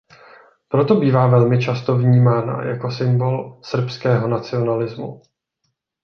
Proto bývá velmi často vnímána jako symbol srbského nacionalismu.